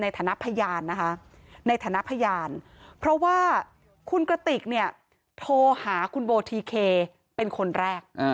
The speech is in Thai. ฐานะพยานนะคะในฐานะพยานเพราะว่าคุณกระติกเนี่ยโทรหาคุณโบทีเคเป็นคนแรก